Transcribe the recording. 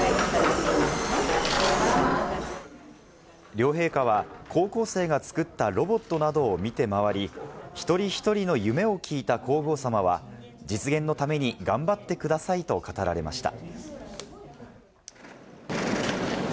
両陛下は高校生が作ったロボットなどを見て回り、一人一人の夢を聞いた皇后さまは、実現のために頑張ってくださいと語られました。